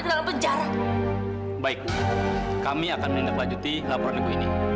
lagi kamu tunggu